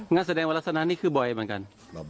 งานแสดงว่าลักษณะนี่คือบ่อยเหมือนกัน